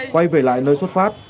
quay về lại nơi xuất phát